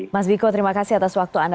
mas biko terima kasih atas waktu anda